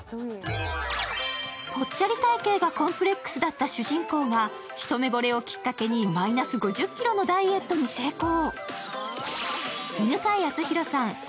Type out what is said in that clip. ぽっちゃり体型がコンプレックスだった主人公が一目ぼれをきっかけにマイナス５０ｋｇのダイエットに成功。